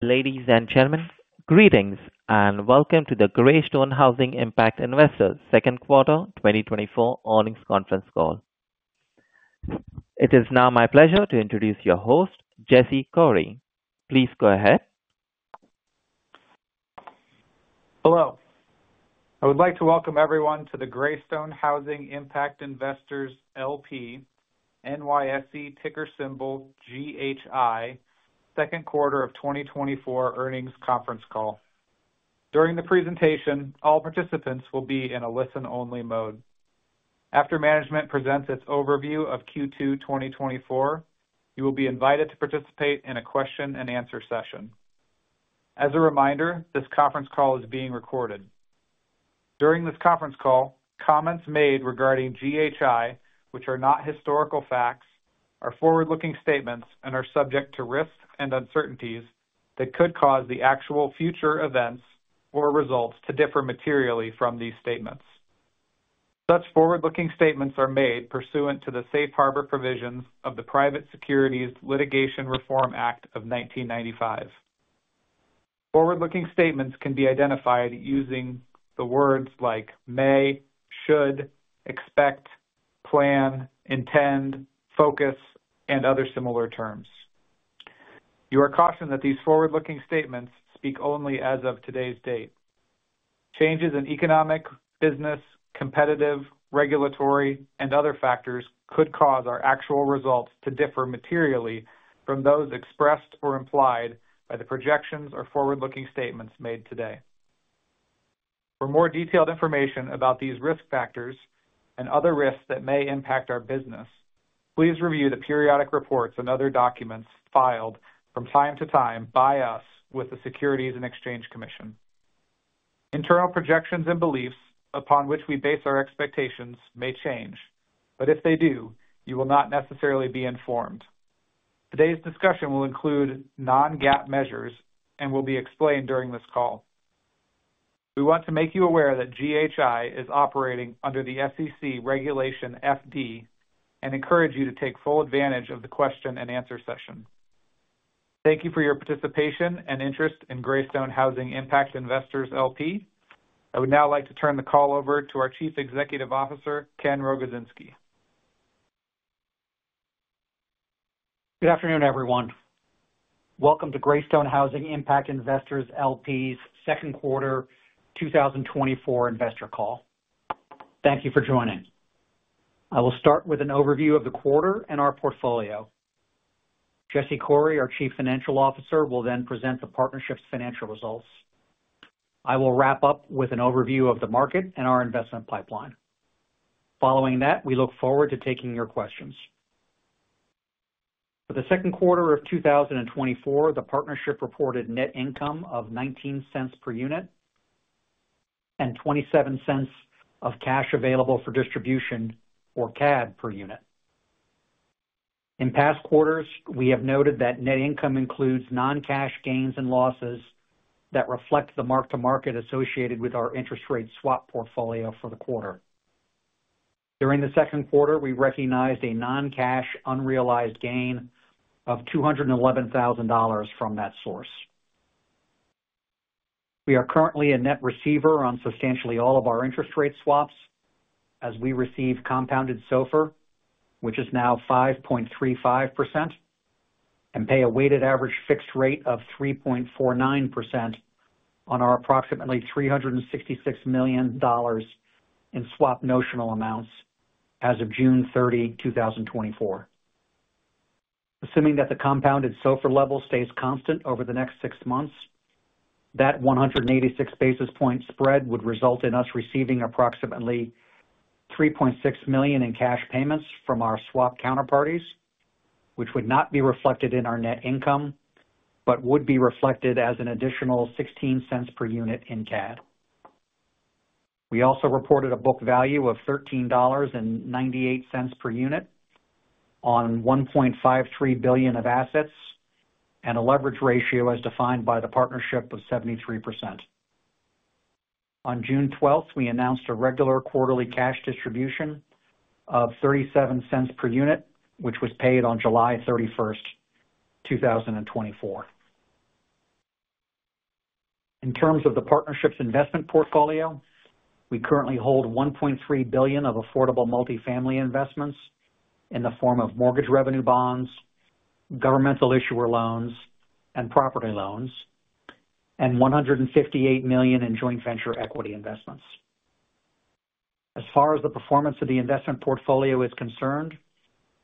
Ladies and gentlemen, greetings, and welcome to the Greystone Housing Impact Investors second quarter 2024 earnings conference call. It is now my pleasure to introduce your host, Jesse Coury. Please go ahead. Hello. I would like to welcome everyone to the Greystone Housing Impact Investors LP, NYSE ticker symbol GHI, second quarter of 2024 earnings conference call. During the presentation, all participants will be in a listen-only mode. After management presents its overview of Q2 2024, you will be invited to participate in a question-and-answer session. As a reminder, this conference call is being recorded. During this conference call, comments made regarding GHI, which are not historical facts, are forward-looking statements and are subject to risks and uncertainties that could cause the actual future events or results to differ materially from these statements. Such forward-looking statements are made pursuant to the safe harbor provisions of the Private Securities Litigation Reform Act of 1995. Forward-looking statements can be identified using the words like may, should, expect, plan, intend, focus, and other similar terms. You are cautioned that these forward-looking statements speak only as of today's date. Changes in economic, business, competitive, regulatory, and other factors could cause our actual results to differ materially from those expressed or implied by the projections or forward-looking statements made today. For more detailed information about these risk factors and other risks that may impact our business, please review the periodic reports and other documents filed from time to time by us with the Securities and Exchange Commission. Internal projections and beliefs upon which we base our expectations may change, but if they do, you will not necessarily be informed. Today's discussion will include non-GAAP measures and will be explained during this call. We want to make you aware that GHI is operating under the SEC Regulation FD and encourage you to take full advantage of the question-and-answer session. Thank you for your participation and interest in Greystone Housing Impact Investors LP. I would now like to turn the call over to our Chief Executive Officer, Ken Rogozinski. Good afternoon, everyone. Welcome to Greystone Housing Impact Investors LP's second quarter 2024 investor call. Thank you for joining. I will start with an overview of the quarter and our portfolio. Jesse Coury, our Chief Financial Officer, will then present the partnership's financial results. I will wrap up with an overview of the market and our investment pipeline. Following that, we look forward to taking your questions. For the second quarter of 2024, the partnership reported net income of $0.19 per unit and $0.27 of cash available for distribution, or CAD, per unit. In past quarters, we have noted that net income includes non-cash gains and losses that reflect the mark-to-market associated with our interest rate swap portfolio for the quarter. During the second quarter, we recognized a non-cash unrealized gain of $211,000 from that source. We are currently a net receiver on substantially all of our interest rate swaps as we receive compounded SOFR, which is now 5.35%, and pay a weighted average fixed rate of 3.49% on our approximately $366 million in swap notional amounts as of June 30, 2024. Assuming that the compounded SOFR level stays constant over the next six months, that 186 basis point spread would result in us receiving approximately $3.6 million in cash payments from our swap counterparties, which would not be reflected in our net income, but would be reflected as an additional $0.16 per unit in CAD. We also reported a book value of $13.98 per unit on $1.53 billion of assets and a leverage ratio as defined by the partnership of 73%. On June 12th, we announced a regular quarterly cash distribution of $0.37 per unit, which was paid on July 31st, 2024. In terms of the partnership's investment portfolio, we currently hold $1.3 billion of affordable multifamily investments in the form of mortgage revenue bonds, governmental issuer loans, and property loans, and $158 million in joint venture equity investments. As far as the performance of the investment portfolio is concerned,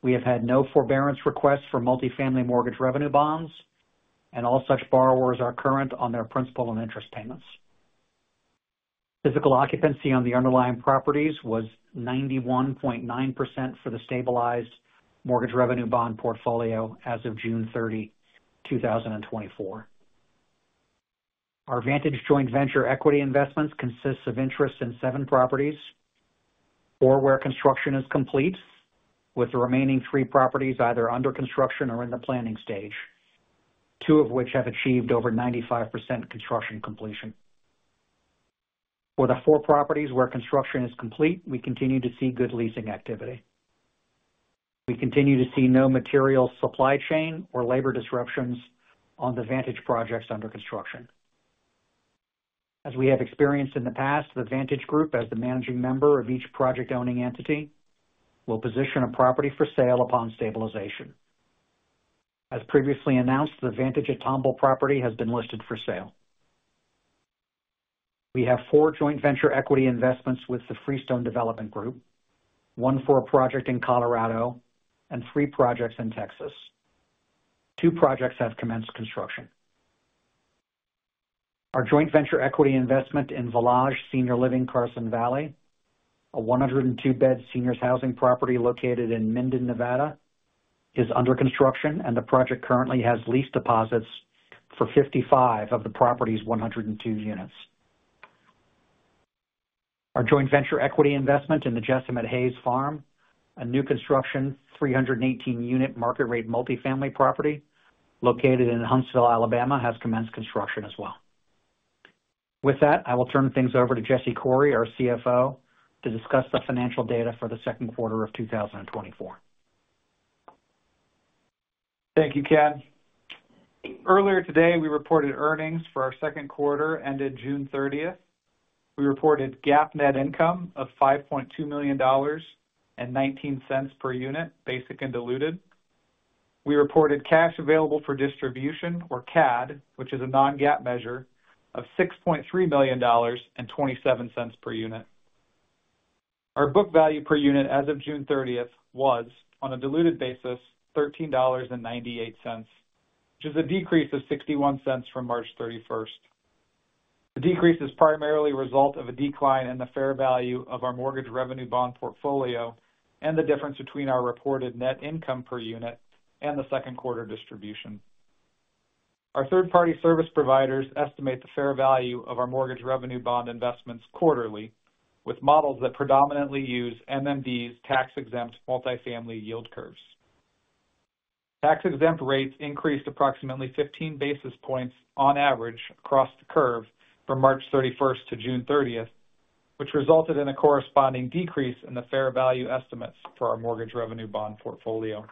we have had no forbearance requests for multifamily mortgage revenue bonds, and all such borrowers are current on their principal and interest payments. Physical occupancy on the underlying properties was 91.9% for the stabilized mortgage revenue bond portfolio as of June 30, 2024. Our Vantage joint venture equity investments consists of interest in seven properties, four where construction is complete, with the remaining three properties either under construction or in the planning stage, two of which have achieved over 95% construction completion. For the four properties where construction is complete, we continue to see good leasing activity. We continue to see no material supply chain or labor disruptions on the Vantage projects under construction. As we have experienced in the past, the Vantage Group, as the managing member of each project-owning entity, will position a property for sale upon stabilization. As previously announced, the Vantage at Tomball property has been listed for sale. We have four joint venture equity investments with the Freestone Development Group, one for a project in Colorado and three projects in Texas. Two projects have commenced construction. Our joint venture equity investment in Valage Senior Living Carson Valley, a 102-bed seniors housing property located in Minden, Nevada, is under construction, and the project currently has lease deposits for 55 of the property's 102 units. Our joint venture equity investment in The Jessam at Hays Farm, a new construction, 318-unit market rate multifamily property located in Huntsville, Alabama, has commenced construction as well. With that, I will turn things over to Jesse Coury, our CFO, to discuss the financial data for the second quarter of 2024. Thank you, Ken. Earlier today, we reported earnings for our second quarter, ended June 30. We reported GAAP net income of $5.2 million and $0.19 per unit, basic and diluted. We reported cash available for distribution, or CAD, which is a non-GAAP measure of $6.3 million and $0.27 per unit. Our book value per unit as of June 30 was, on a diluted basis, $13.98, which is a decrease of $0.61 from March 31. The decrease is primarily a result of a decline in the fair value of our mortgage revenue bond portfolio and the difference between our reported net income per unit and the second quarter distribution. Our third-party service providers estimate the fair value of our mortgage revenue bond investments quarterly, with models that predominantly use MMD's tax-exempt multifamily yield curves. Tax-exempt rates increased approximately 15 basis points on average across the curve from March 31 to June 30, which resulted in a corresponding decrease in the fair value estimates for our mortgage revenue bond portfolio.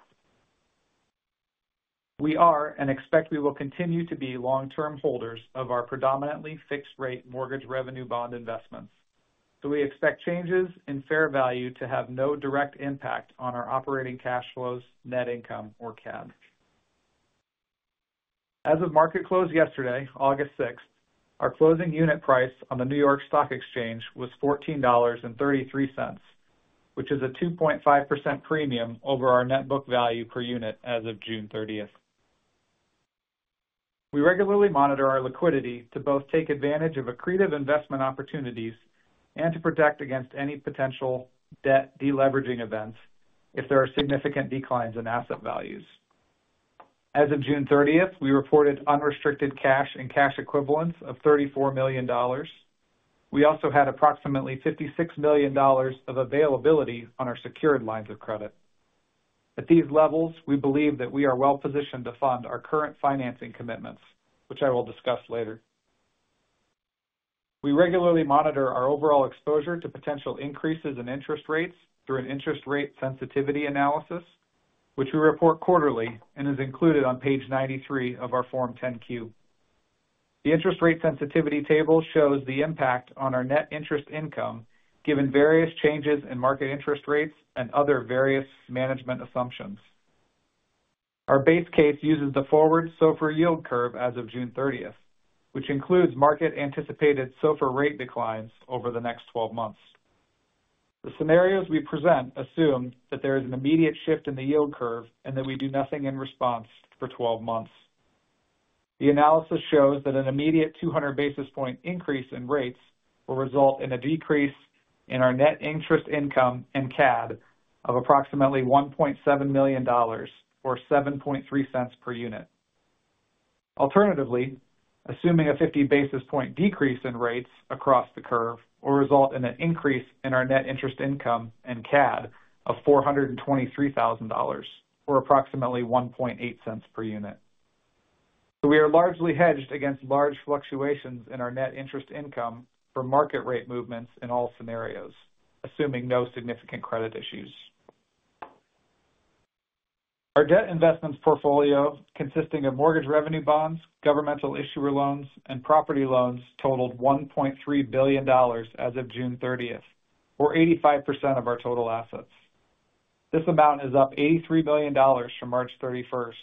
We are, and expect we will continue to be, long-term holders of our predominantly fixed-rate mortgage revenue bond investments, so we expect changes in fair value to have no direct impact on our operating cash flows, net income, or CAD. As of market close yesterday, August 6, our closing unit price on the New York Stock Exchange was $14.33, which is a 2.5% premium over our net book value per unit as of June 30. We regularly monitor our liquidity to both take advantage of accretive investment opportunities and to protect against any potential debt deleveraging events if there are significant declines in asset values. As of June 30th, we reported unrestricted cash and cash equivalents of $34 million. We also had approximately $56 million of availability on our secured lines of credit. At these levels, we believe that we are well positioned to fund our current financing commitments, which I will discuss later. We regularly monitor our overall exposure to potential increases in interest rates through an interest rate sensitivity analysis, which we report quarterly and is included on page 93 of our Form 10-Q. The interest rate sensitivity table shows the impact on our net interest income, given various changes in market interest rates and other various management assumptions. Our base case uses the forward SOFR yield curve as of June thirtieth, which includes market-anticipated SOFR rate declines over the next 12 months. The scenarios we present assume that there is an immediate shift in the yield curve and that we do nothing in response for 12 months. The analysis shows that an immediate 200 basis points increase in rates will result in a decrease in our net interest income and CAD of approximately $1.7 million, or $0.073 per unit. Alternatively, assuming a 50 basis points decrease in rates across the curve will result in an increase in our net interest income and CAD of $423 thousand, or approximately $0.018 per unit. So we are largely hedged against large fluctuations in our net interest income for market rate movements in all scenarios, assuming no significant credit issues. Our debt investments portfolio, consisting of mortgage revenue bonds, governmental issuer loans, and property loans, totaled $1.3 billion as of June 30th, or 85% of our total assets. This amount is up $83 billion from March thirty-first,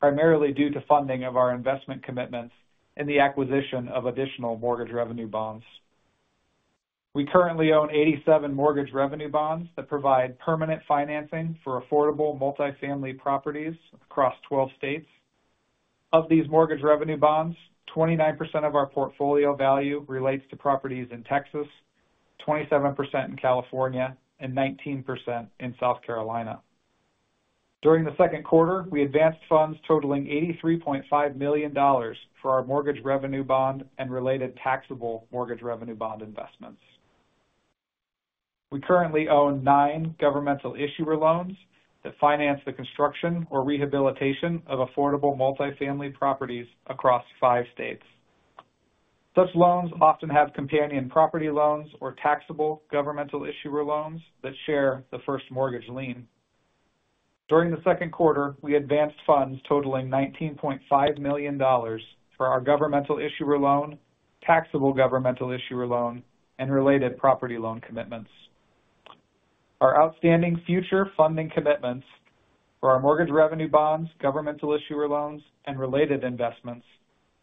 primarily due to funding of our investment commitments and the acquisition of additional mortgage revenue bonds. We currently own 87 mortgage revenue bonds that provide permanent financing for affordable multifamily properties across 12 states. Of these mortgage revenue bonds, 29% of our portfolio value relates to properties in Texas, 27% in California, and 19% in South Carolina. During the second quarter, we advanced funds totaling $83.5 million for our mortgage revenue bond and related taxable mortgage revenue bond investments. We currently own 9 governmental issuer loans that finance the construction or rehabilitation of affordable multifamily properties across five states. Such loans often have companion property loans or taxable governmental issuer loans that share the first mortgage lien. During the second quarter, we advanced funds totaling $19.5 million for our governmental issuer loan, taxable governmental issuer loan, and related property loan commitments. Our outstanding future funding commitments for our mortgage revenue bonds, governmental issuer loans, and related investments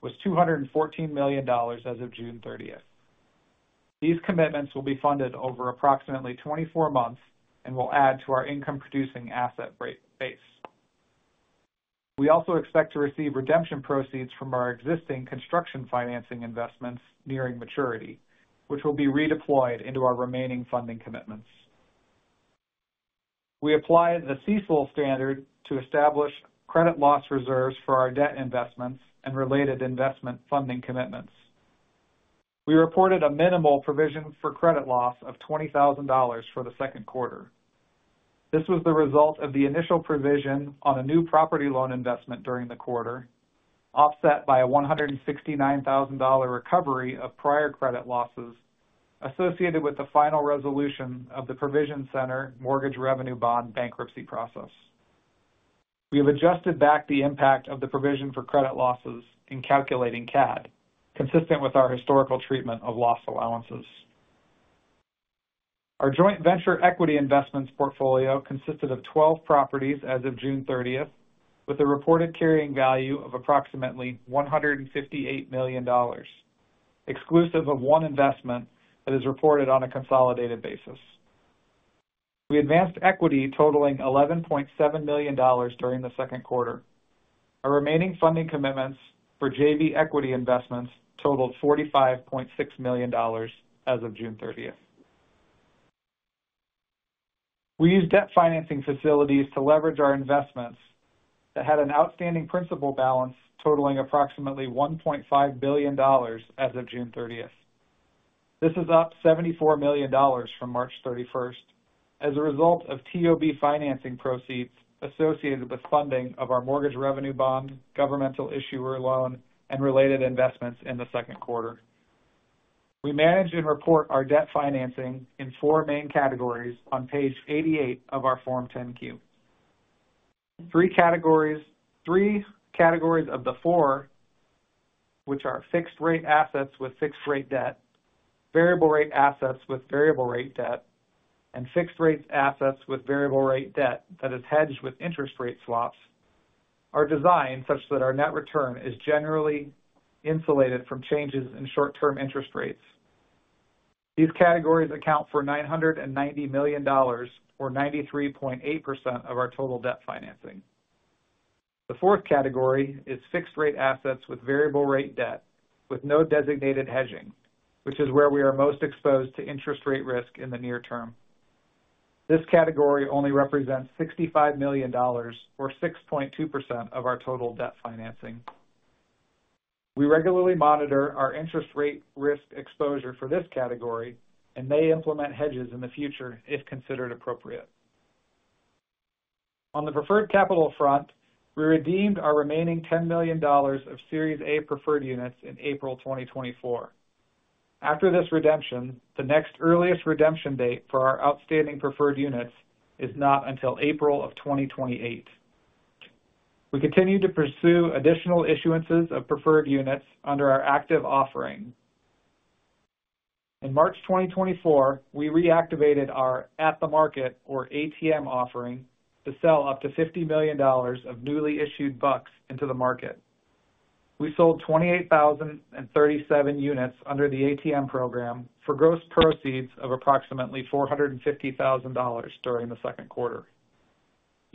was $214 million as of June 30. These commitments will be funded over approximately 24 months and will add to our income-producing asset base. We also expect to receive redemption proceeds from our existing construction financing investments nearing maturity, which will be redeployed into our remaining funding commitments. We applied the CECL standard to establish credit loss reserves for our debt investments and related investment funding commitments. We reported a minimal provision for credit loss of $20,000 for the second quarter. This was the result of the initial provision on a new property loan investment during the quarter, offset by a $169,000 recovery of prior credit losses associated with the final resolution of the Provision Center mortgage revenue bond bankruptcy process. We have adjusted back the impact of the provision for credit losses in calculating CAD, consistent with our historical treatment of loss allowances. Our joint venture equity investments portfolio consisted of 12 properties as of June 30th, with a reported carrying value of approximately $158 million, exclusive of one investment that is reported on a consolidated basis. We advanced equity totaling $11.7 million during the second quarter. Our remaining funding commitments for JV equity investments totaled $45.6 million as of June 30th. We use debt financing facilities to leverage our investments that had an outstanding principal balance totaling approximately $1.5 billion as of June 30th. This is up $74 million from March 31 as a result of TOB financing proceeds associated with funding of our mortgage revenue bond, governmental issuer loan, and related investments in the second quarter. We manage and report our debt financing in four main categories on page 88 of our Form 10-Q. Three categories of the four, which are fixed-rate assets with fixed-rate debt, variable-rate assets with variable-rate debt, and fixed-rate assets with variable-rate debt that is hedged with interest rate swaps, are designed such that our net return is generally insulated from changes in short-term interest rates. These categories account for $990 million, or 93.8% of our total debt financing. The fourth category is fixed-rate assets with variable-rate debt, with no designated hedging, which is where we are most exposed to interest rate risk in the near term. This category only represents $65 million, or 6.2% of our total debt financing. We regularly monitor our interest rate risk exposure for this category and may implement hedges in the future if considered appropriate. On the preferred capital front, we redeemed our remaining $10 million of Series A preferred units in April 2024. After this redemption, the next earliest redemption date for our outstanding preferred units is not until April 2028. We continue to pursue additional issuances of preferred units under our active offering. In March 2024, we reactivated our at-the-market, or ATM, offering to sell up to $50 million of newly issued BUCs into the market. We sold 28,037 units under the ATM program for gross proceeds of approximately $450,000 during the second quarter.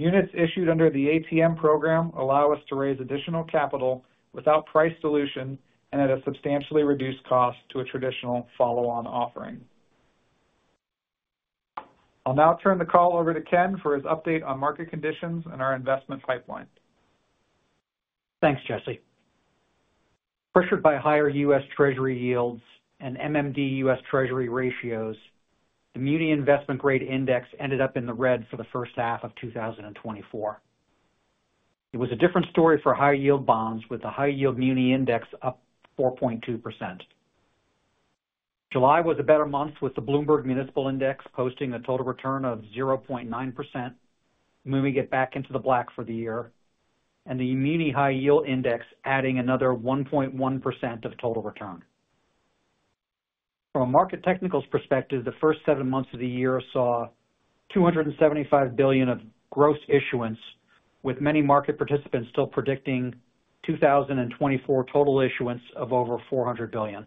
Units issued under the ATM program allow us to raise additional capital without price dilution and at a substantially reduced cost to a traditional follow-on offering. I'll now turn the call over to Ken for his update on market conditions and our investment pipeline. Thanks, Jesse. Pressured by higher U.S. Treasury yields and MMD-U.S. Treasury ratios, the muni investment grade index ended up in the red for the first half of 2024. It was a different story for high-yield bonds, with the high-yield muni index up 4.2%. July was a better month, with the Bloomberg Municipal Index posting a total return of 0.9%, moving it back into the black for the year, and the muni high-yield index adding another 1.1% of total return. From a market technicals perspective, the first seven months of the year saw $275 billion of gross issuance, with many market participants still predicting 2024 total issuance of over $400 billion.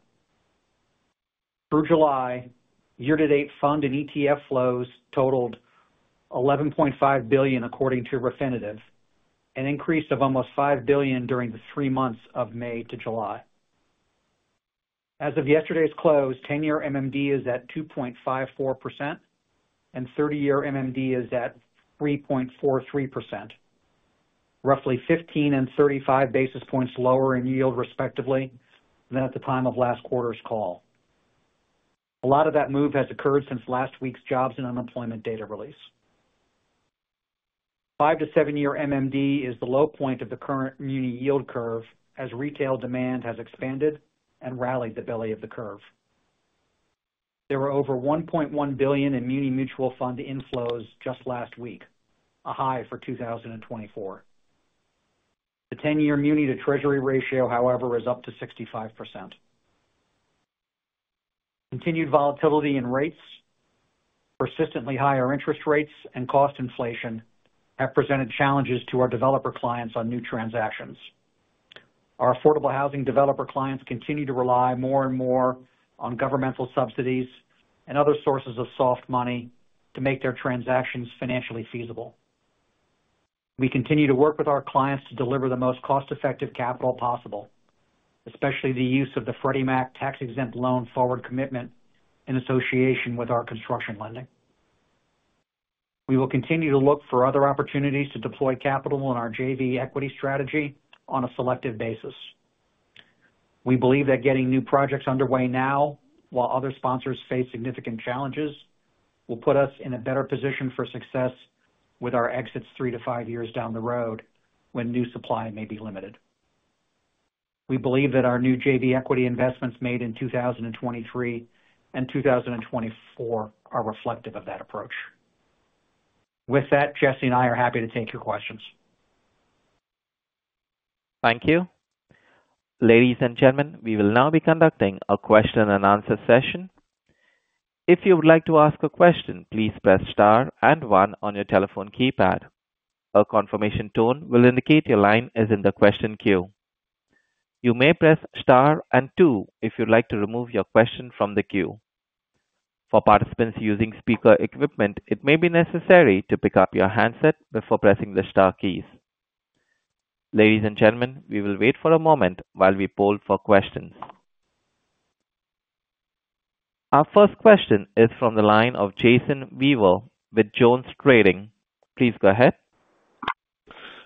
Through July, year-to-date fund and ETF flows totaled $11.5 billion, according to Refinitiv, an increase of almost $5 billion during the three months of May to July. As of yesterday's close, 10-year MMD is at 2.54%, and 30-year MMD is at 3.43%.... roughly 15 and 35 basis points lower in yield, respectively, than at the time of last quarter's call. A lot of that move has occurred since last week's jobs and unemployment data release. 5- to 7-year MMD is the low point of the current muni yield curve, as retail demand has expanded and rallied the belly of the curve. There were over $1.1 billion in muni mutual fund inflows just last week, a high for 2024. The 10-year muni to Treasury ratio, however, is up to 65%. Continued volatility in rates, persistently higher interest rates and cost inflation have presented challenges to our developer clients on new transactions. Our affordable housing developer clients continue to rely more and more on governmental subsidies and other sources of soft money to make their transactions financially feasible. We continue to work with our clients to deliver the most cost-effective capital possible, especially the use of the Freddie Mac Tax-Exempt Loan forward commitment in association with our construction lending. We will continue to look for other opportunities to deploy capital in our JV equity strategy on a selective basis. We believe that getting new projects underway now, while other sponsors face significant challenges, will put us in a better position for success with our exits three to five years down the road, when new supply may be limited. We believe that our new JV equity investments made in 2023 and 2024 are reflective of that approach. With that, Jesse and I are happy to take your questions. Thank you. Ladies and gentlemen, we will now be conducting a question and answer session. If you would like to ask a question, please press star and one on your telephone keypad. A confirmation tone will indicate your line is in the question queue. You may press star and two if you'd like to remove your question from the queue. For participants using speaker equipment, it may be necessary to pick up your handset before pressing the star keys. Ladies and gentlemen, we will wait for a moment while we poll for questions. Our first question is from the line of Jason Weaver with JonesTrading. Please go ahead.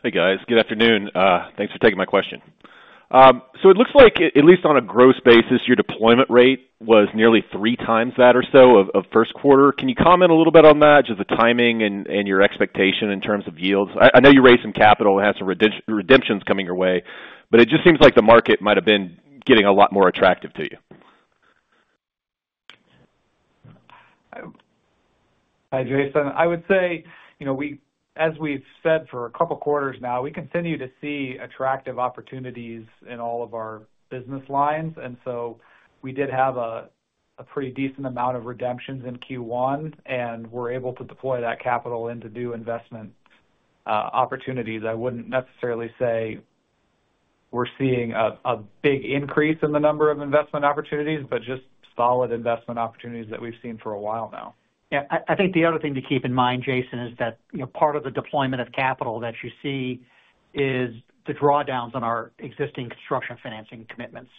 Hey, guys. Good afternoon. Thanks for taking my question. So it looks like at least on a gross basis, your deployment rate was nearly three times that or so of first quarter. Can you comment a little bit on that, just the timing and your expectation in terms of yields? I know you raised some capital and had some redemptions coming your way, but it just seems like the market might have been getting a lot more attractive to you. Hi, Jason. I would say, you know, we, as we've said for a couple of quarters now, we continue to see attractive opportunities in all of our business lines, and so we did have a pretty decent amount of redemptions in Q1, and we're able to deploy that capital into new investment opportunities. I wouldn't necessarily say we're seeing a big increase in the number of investment opportunities, but just solid investment opportunities that we've seen for a while now. Yeah, I, I think the other thing to keep in mind, Jason, is that, you know, part of the deployment of capital that you see is the drawdowns on our existing construction financing commitments.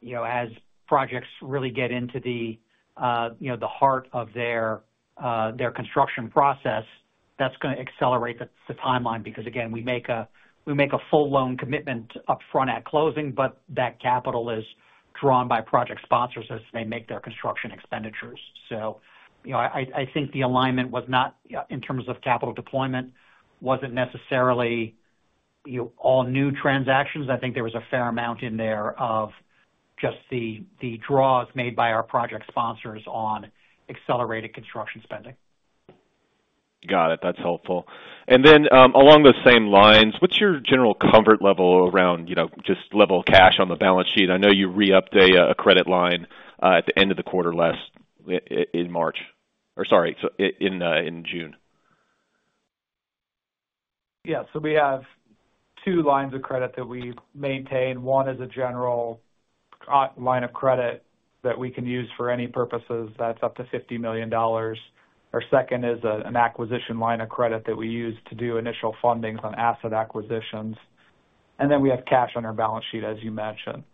You know, as projects really get into the, you know, the heart of their, their construction process, that's going to accelerate the, the timeline, because, again, we make a full loan commitment upfront at closing, but that capital is drawn by project sponsors as they make their construction expenditures. So, you know, I, I think the alignment was not, in terms of capital deployment, wasn't necessarily, you know, all new transactions. I think there was a fair amount in there of just the, the draws made by our project sponsors on accelerated construction spending. Got it. That's helpful. And then, along those same lines, what's your general comfort level around, you know, just level of cash on the balance sheet? I know you re-uped a credit line at the end of the quarter last in March or sorry, so in June. Yeah. So we have two lines of credit that we maintain. One is a general line of credit that we can use for any purposes. That's up to $50 million. Our second is an acquisition line of credit that we use to do initial fundings on asset acquisitions. And then we have cash on our balance sheet, as you mentioned.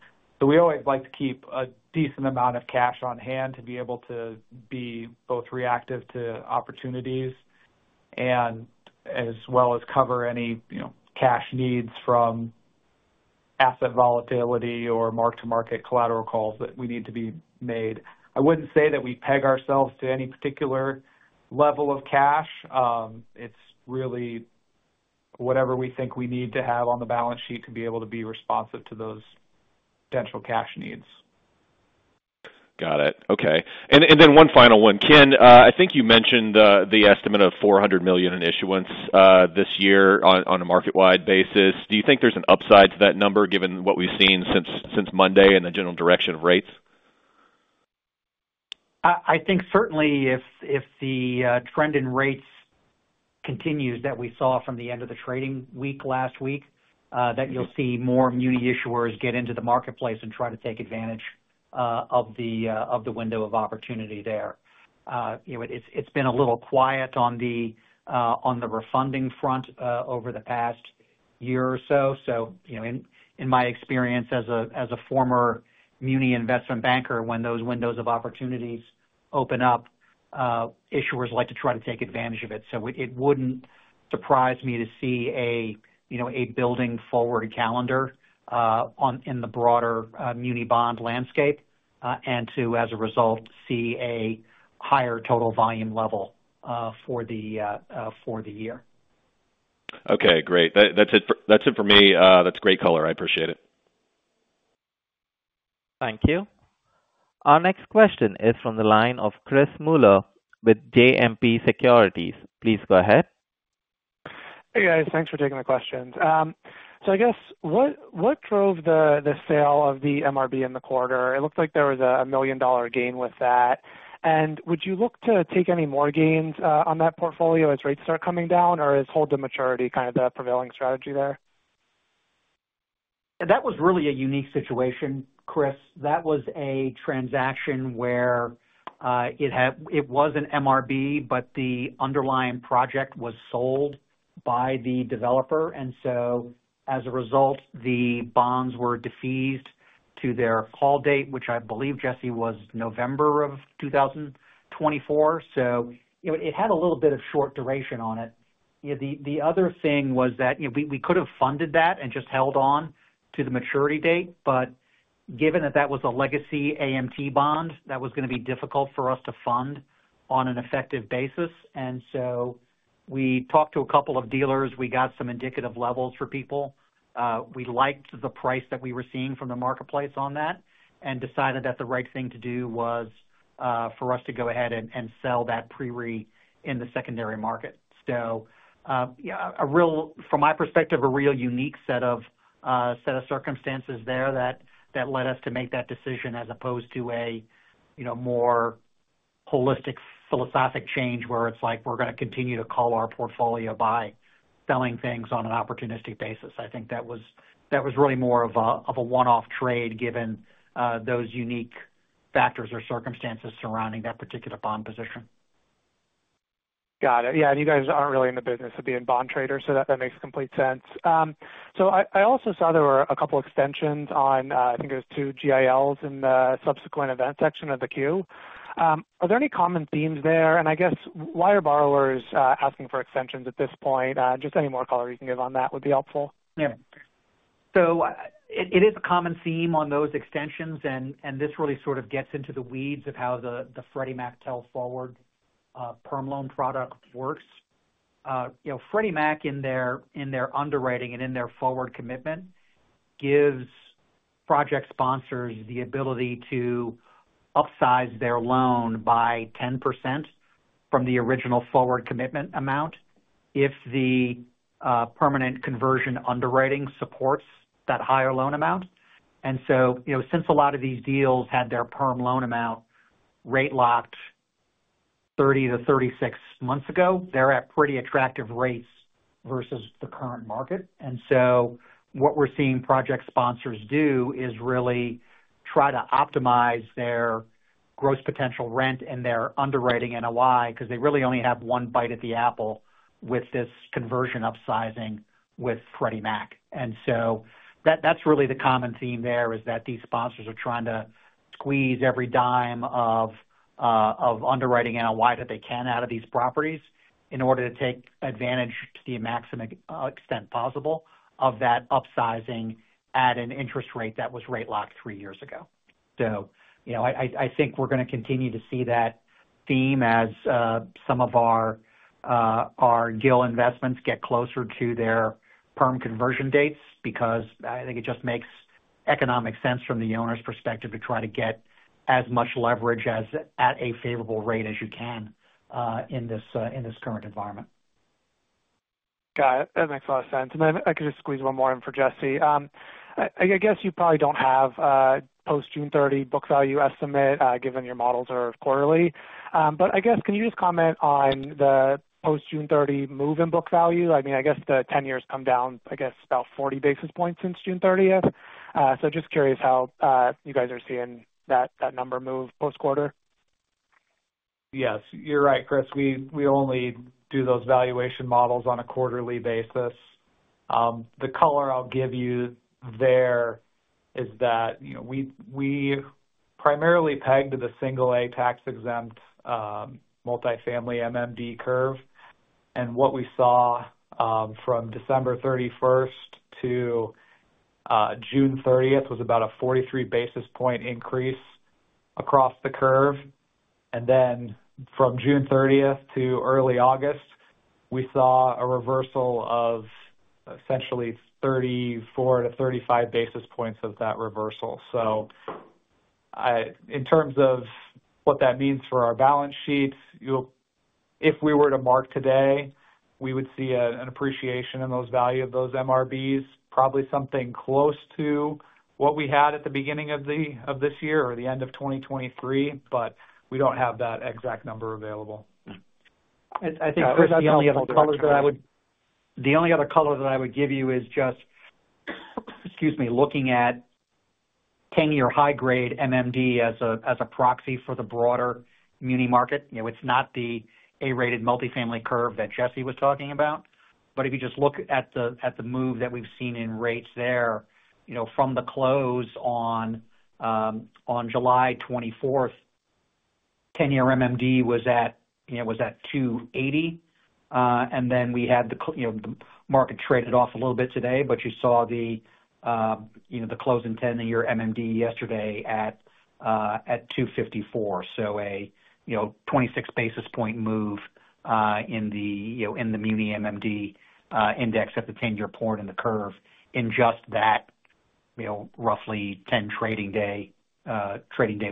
So we always like to keep a decent amount of cash on hand to be able to be both reactive to opportunities and as well as cover any, you know, cash needs from asset volatility or mark-to-market collateral calls that we need to be made. I wouldn't say that we peg ourselves to any particular level of cash. It's really whatever we think we need to have on the balance sheet to be able to be responsive to those potential cash needs. Got it. Okay. And, and then one final one. Ken, I think you mentioned the estimate of $400 million in issuance this year on a market-wide basis. Do you think there's an upside to that number, given what we've seen since Monday and the general direction of rates? I think certainly if the trend in rates continues, that we saw from the end of the trading week last week, that you'll see more muni issuers get into the marketplace and try to take advantage of the window of opportunity there. You know, it's been a little quiet on the refunding front over the past year or so. So, you know, in my experience as a former muni investment banker, when those windows of opportunities open up, issuers like to try to take advantage of it. So it wouldn't surprise me to see a building forward calendar in the broader muni bond landscape, and to, as a result, see a higher total volume level for the year. Okay, great. That's it for me. That's great color. I appreciate it. Thank you. Our next question is from the line of Chris Muller with JMP Securities. Please go ahead. Hey, guys. Thanks for taking my questions. So I guess, what, what drove the, the sale of the MRB in the quarter? It looked like there was a $1 million gain with that. And would you look to take any more gains, on that portfolio as rates start coming down, or is hold to maturity kind of the prevailing strategy there? That was really a unique situation, Chris. That was a transaction where it was an MRB, but the underlying project was sold by the developer, and so as a result, the bonds were defeased to their call date, which I believe, Jesse, was November of 2024. So, you know, it had a little bit of short duration on it. You know, the other thing was that, you know, we could have funded that and just held on to the maturity date, but given that that was a legacy AMT bond, that was going to be difficult for us to fund on an effective basis. And so we talked to a couple of dealers. We got some indicative levels for people. We liked the price that we were seeing from the marketplace on that and decided that the right thing to do was for us to go ahead and sell that pre-re in the secondary market. So, yeah, a real—from my perspective, a real unique set of circumstances there that led us to make that decision, as opposed to a, you know, more holistic, philosophic change, where it's like we're going to continue to cull our portfolio by selling things on an opportunistic basis. I think that was really more of a one-off trade, given those unique factors or circumstances surrounding that particular bond position. Got it. Yeah, you guys aren't really in the business of being bond traders, so that, that makes complete sense. So I also saw there were a couple extensions on, I think it was two GILs in the subsequent event section of the queue. Are there any common themes there? And I guess, why are borrowers asking for extensions at this point? Just any more color you can give on that would be helpful. Yeah. So it is a common theme on those extensions, and this really sort of gets into the weeds of how the Freddie Mac TEL forward perm loan product works. You know, Freddie Mac, in their underwriting and in their forward commitment, gives project sponsors the ability to upsize their loan by 10% from the original forward commitment amount if the permanent conversion underwriting supports that higher loan amount. And so, you know, since a lot of these deals had their perm loan amount rate locked 30-36 months ago, they're at pretty attractive rates versus the current market. And so what we're seeing project sponsors do is really try to optimize their gross potential rent and their underwriting NOI, because they really only have one bite at the apple with this conversion upsizing with Freddie Mac. And so that, that's really the common theme there, is that these sponsors are trying to squeeze every dime of of underwriting NOI that they can out of these properties in order to take advantage to the maximum, extent possible of that upsizing at an interest rate that was rate locked three years ago. So, you know, I think we're going to continue to see that theme as some of our our GIL investments get closer to their perm conversion dates, because I think it just makes economic sense from the owner's perspective to try to get as much leverage as at a favorable rate as you can, in this current environment. Got it. That makes a lot of sense. And then if I could just squeeze one more in for Jesse. I guess you probably don't have a post-June 30 book value estimate, given your models are quarterly. But I guess, can you just comment on the post-June 30 move in book value? I mean, I guess the 10-year come down, I guess, about 40 basis points since June 30th. So just curious how you guys are seeing that number move post-quarter. Yes, you're right, Chris. We only do those valuation models on a quarterly basis. The color I'll give you there is that, you know, we primarily pegged the single A tax-exempt multifamily MMD curve, and what we saw from December 31st to June 30th was about a 43 basis point increase across the curve. And then from June 30th to early August, we saw a reversal of essentially 34-35 basis points of that reversal. So in terms of what that means for our balance sheets, you'll if we were to mark today, we would see an appreciation in those value of those MRBs, probably something close to what we had at the beginning of this year or the end of 2023, but we don't have that exact number available. I think, Chris, the only other color that I would—the only other color that I would give you is just, excuse me, looking at 10-year high-grade MMD as a, as a proxy for the broader muni market. You know, it's not the A-rated multifamily curve that Jesse was talking about, but if you just look at the, at the move that we've seen in rates there, you know, from the close on July 24th, 10-year MMD was at, you know, was at 2.80, and then we had the you know, the market traded off a little bit today, but you saw the, you know, the close in 10-year MMD yesterday at 2.54. So, a 26 basis point move, you know, in the, you know, in the muni MMD index at the 10-year point in the curve in just that, you know, roughly 10 trading day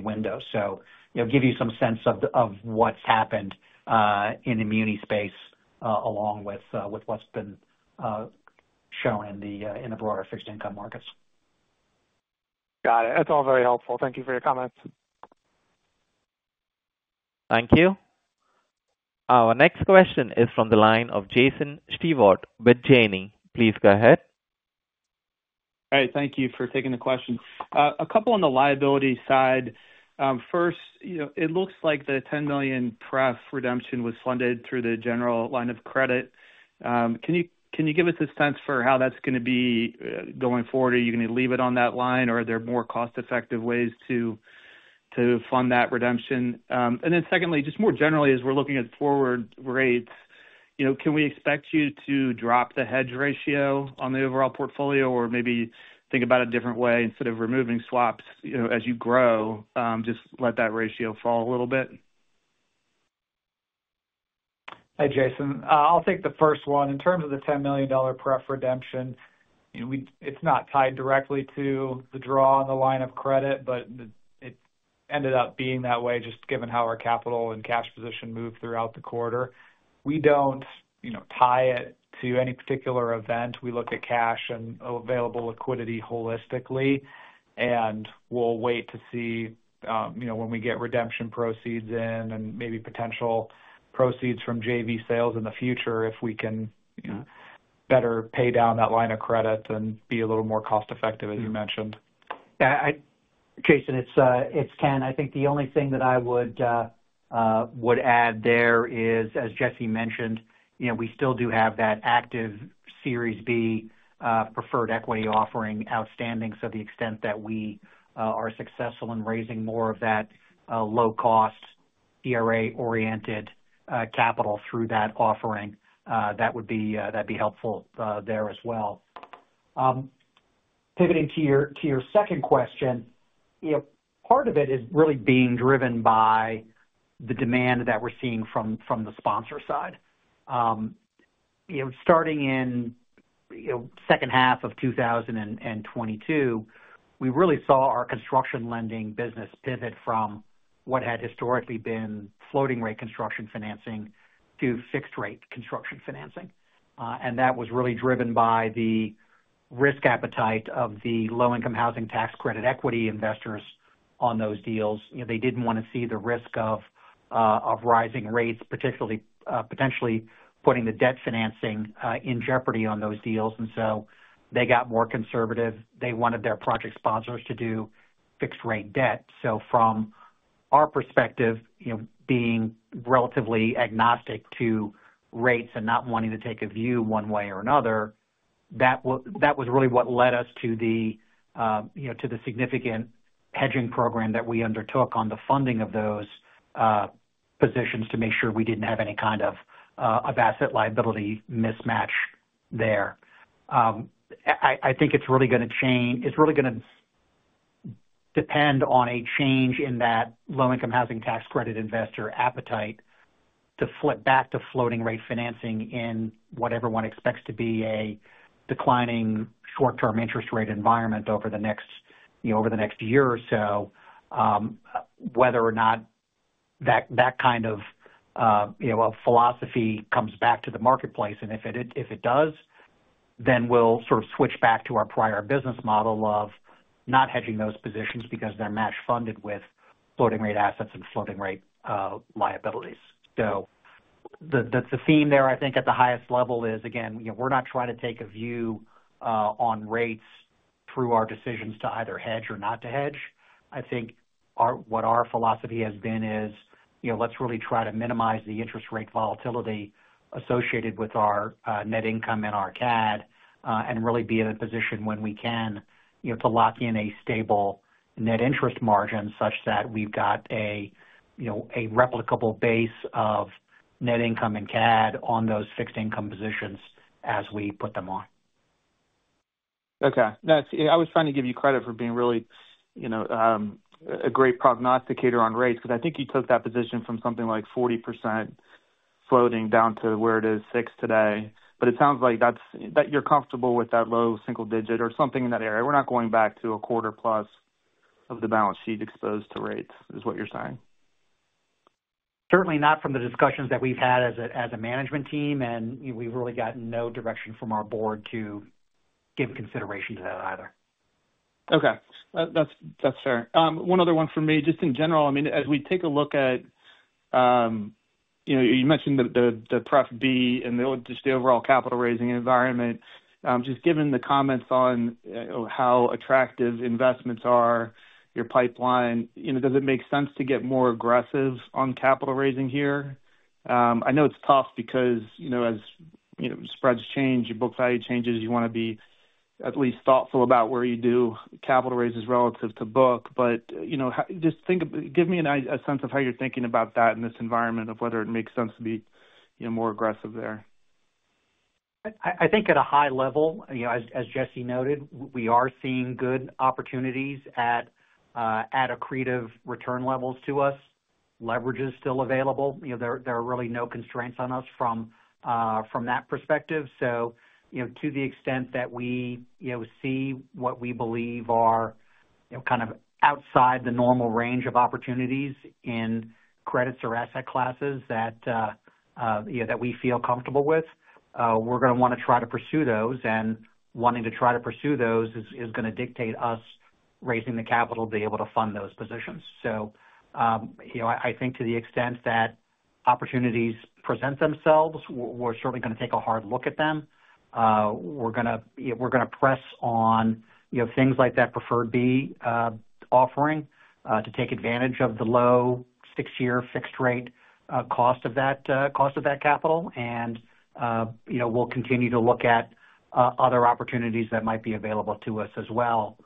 window. So, you know, give you some sense of what's happened in the muni space along with what's been shown in the broader fixed income markets. Got it. That's all very helpful. Thank you for your comments. Thank you. Our next question is from the line of Jason Stewart with Janney. Please go ahead. All right, thank you for taking the question. A couple on the liability side. First, you know, it looks like the $10 million pref redemption was funded through the general line of credit. Can you give us a sense for how that's gonna be going forward? Are you gonna leave it on that line, or are there more cost-effective ways to fund that redemption? And then secondly, just more generally, as we're looking at forward rates, you know, can we expect you to drop the hedge ratio on the overall portfolio or maybe think about a different way instead of removing swaps, you know, as you grow, just let that ratio fall a little bit? Hi, Jason. I'll take the first one. In terms of the $10 million pref redemption, you know, it's not tied directly to the draw on the line of credit, but it ended up being that way, just given how our capital and cash position moved throughout the quarter. We don't, you know, tie it to any particular event. We look at cash and available liquidity holistically, and we'll wait to see, you know, when we get redemption proceeds in and maybe potential proceeds from JV sales in the future, if we can, you know, better pay down that line of credit and be a little more cost effective, as you mentioned. Yeah, Jason, it's Ken. I think the only thing that I would add there is, as Jesse mentioned, you know, we still do have that active Series B preferred equity offering outstanding. So to the extent that we are successful in raising more of that low-cost CRA-oriented capital through that offering, that would be, that'd be helpful there as well. Pivoting to your second question, you know, part of it is really being driven by the demand that we're seeing from the sponsor side. You know, starting in the second half of 2022, we really saw our construction lending business pivot from what had historically been floating rate construction financing to fixed rate construction financing. That was really driven by the risk appetite of the low-income housing tax credit equity investors on those deals. You know, they didn't want to see the risk of rising rates, particularly, potentially putting the debt financing in jeopardy on those deals, and so they got more conservative. They wanted their project sponsors to do fixed-rate debt. So from our perspective, you know, being relatively agnostic to rates and not wanting to take a view one way or another, that was really what led us to the, you know, to the significant hedging program that we undertook on the funding of those positions to make sure we didn't have any kind of asset liability mismatch there. I think it's really gonna depend on a change in that low-income housing tax credit investor appetite to flip back to floating rate financing in what everyone expects to be a declining short-term interest rate environment over the next, you know, over the next year or so. Whether or not that kind of, you know, a philosophy comes back to the marketplace, and if it does, then we'll sort of switch back to our prior business model of not hedging those positions because they're match funded with floating rate assets and floating rate liabilities. So the theme there, I think, at the highest level is, again, you know, we're not trying to take a view on rates through our decisions to either hedge or not to hedge. I think what our philosophy has been is, you know, let's really try to minimize the interest rate volatility associated with our net income and our CAD, and really be in a position when we can, you know, to lock in a stable net interest margin such that we've got a, you know, a replicable base of net income and CAD on those fixed income positions as we put them on. Okay. That's... I was trying to give you credit for being really, you know, a great prognosticator on rates, because I think you took that position from something like 40% floating down to where it is, 6% today. But it sounds like that you're comfortable with that low single digit or something in that area. We're not going back to 25%+ of the balance sheet exposed to rates, is what you're saying? Certainly not from the discussions that we've had as a management team, and, you know, we've really got no direction from our board to give consideration to that either. Okay. That's, that's fair. One other one for me, just in general. I mean, as we take a look at, you know, you mentioned the Pref B and the just the overall capital raising environment. Just given the comments on how attractive investments are, your pipeline, you know, does it make sense to get more aggressive on capital raising here? I know it's tough because, you know, as, you know, spreads change, your book value changes, you want to be at least thoughtful about where you do capital raises relative to book. But, you know, how, just, give me an idea, a sense of how you're thinking about that in this environment, of whether it makes sense to be, you know, more aggressive there. I think at a high level, you know, as Jesse noted, we are seeing good opportunities at accretive return levels to us. Leverage is still available. You know, there are really no constraints on us from that perspective. So, you know, to the extent that we, you know, see what we believe are, you know, kind of outside the normal range of opportunities in credits or asset classes that you know, that we feel comfortable with, we're gonna wanna try to pursue those. And wanting to try to pursue those is gonna dictate us raising the capital to be able to fund those positions. So, you know, I think to the extent that opportunities present themselves, we're certainly gonna take a hard look at them. We're gonna, we're gonna press on, you know, things like that Preferred B offering to take advantage of the low six-year fixed rate cost of that cost of that capital. And, you know, we'll continue to look at other opportunities that might be available to us as well.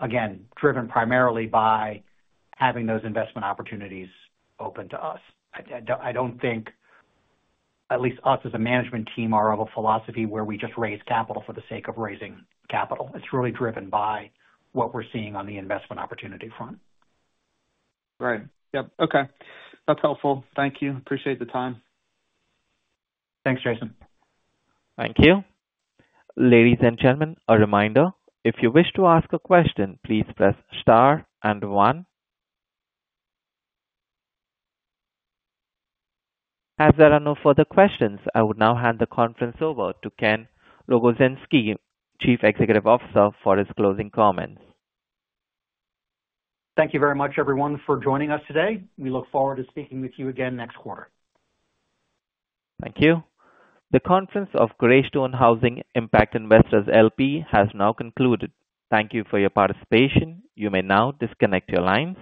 Again, driven primarily by having those investment opportunities open to us. I don't think at least us, as a management team, are of a philosophy where we just raise capital for the sake of raising capital. It's really driven by what we're seeing on the investment opportunity front. Right. Yep. Okay. That's helpful. Thank you. Appreciate the time. Thanks, Jason. Thank you. Ladies and gentlemen, a reminder, if you wish to ask a question, please press star and one. As there are no further questions, I would now hand the conference over to Ken Rogozinski, Chief Executive Officer, for his closing comments. Thank you very much, everyone, for joining us today. We look forward to speaking with you again next quarter. Thank you. The conference of Greystone Housing Impact Investors LP has now concluded. Thank you for your participation. You may now disconnect your lines.